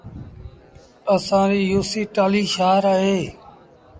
اسآݩ ريٚ يوسي ٽآلهيٚ شآهر اهي